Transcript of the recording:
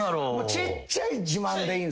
ちっちゃい自慢でいいんす。